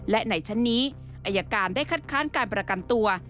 และในชั้นนี้อายการได้คัดค้านการประกันตัว